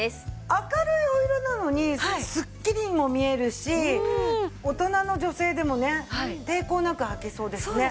明るいお色なのにすっきりにも見えるし大人の女性でもね抵抗なくはけそうですね。